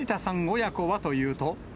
親子はというと。